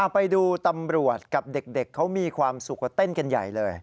ไปดูตำรวจกับเด็กเขามีความสุขก็เต้นกันใหญ่เลย